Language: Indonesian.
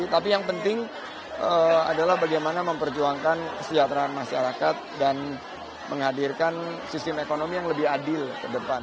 tapi yang penting adalah bagaimana memperjuangkan kesejahteraan masyarakat dan menghadirkan sistem ekonomi yang lebih adil ke depan